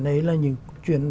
đấy là những chuyện